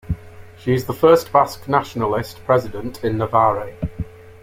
She is the first Basque nationalist president in Navarre.